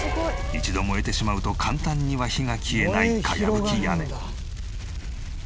一度燃えてしまうと簡単には火が消えない茅葺き屋根。